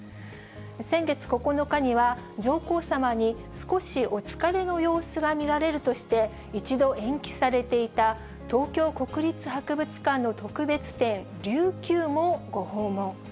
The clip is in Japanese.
先月９日には、上皇さまに少しお疲れの様子が見られるとして、一度延期されていた東京国立博物館の特別展、琉球もご訪問。